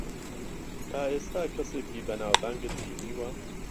تا ئێستا کەسێکی بەناوبانگت بینیوە؟